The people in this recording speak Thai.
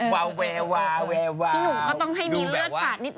แววแววแววแววดูแบบว่าเลือดฝากนิด